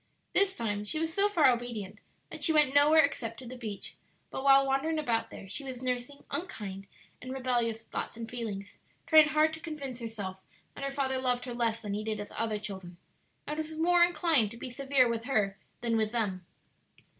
This time she was so far obedient that she went nowhere except to the beach, but while wandering about there she was nursing unkind and rebellious thoughts and feelings; trying hard to convince herself that her father loved her less than he did his other children, and was more inclined to be severe with her than with them.